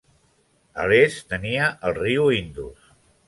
A l'est tenia el riu Indus.